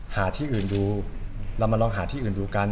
หาที่อื่นดูเรามาลองหาที่อื่นดูกัน